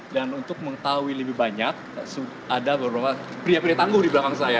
dan untuk mengetahui lebih banyak ada beberapa pria pria tangguh di belakang saya